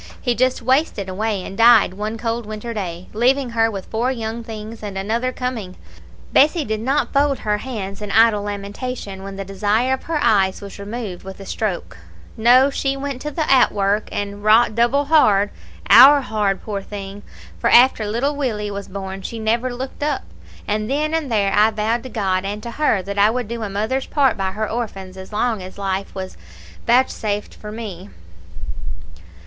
He just wasted away, and died one cold winter day, leaving her with four young things, and another coming. Bessie did not fold her hands in idle lamentation when the desire of her eyes was removed with a stroke. No, she went to the outwork, and wrought double hard; owre hard, poor thing, for after little Willie was born she never looked up. And then and there I vowed to God and to her that I would do a mother's part by her orphans as long as life was vouchsafed to me.